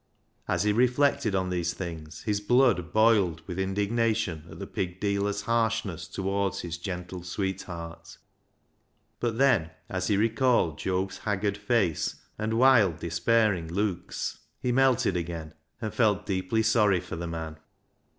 As he reflected on these things, his blood boiled with indignation at the pig dealer's harshness towards his gentle sweetheart. But then, as he recalled Job's haggard face and wild, despairing looks, he melted again, and felt deeply sorry for the man.